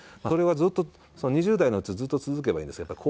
それはずっと２０代のうちずっと続けばいいんですけど。